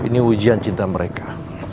ini ujian cinta mereka